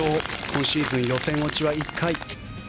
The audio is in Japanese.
今シーズン予選落ちは１回。